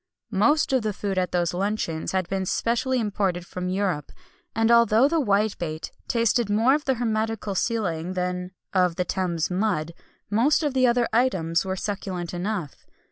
Most of the food at those luncheons had been specially imported from Europe; and although the whitebait tasted more of the hermetical sealing than of the Thames mud, most of the other items were succulent enough.